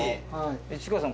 市川さん